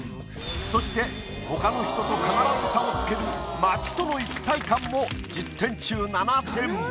そして他の人と必ず差をつける「街との一体感」も１０点中７点。